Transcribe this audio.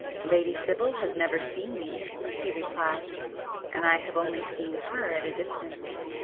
"Lady Sibyl has never seen me,"—he replied—"And I have only seen her at a distance.